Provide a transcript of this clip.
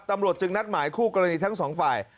ตำรวจจึงนัดหมายคู่กรณีทั้งสองฝ่าย